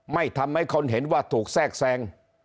ไม่ทำให้คนเห็นว่าถูกแทรกแทรง